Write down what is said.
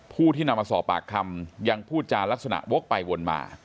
ผู้ที่นำมาสอบปากคำยังพูดจานลักษณะวกไปวนมา